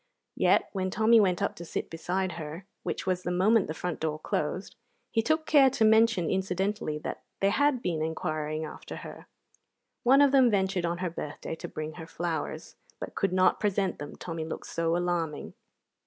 Yet when Tommy went up to sit beside her, which was the moment the front door closed, he took care to mention, incidentally, that they had been inquiring after her. One of them ventured on her birthday to bring her flowers, but could not present them, Tommy looked so alarming.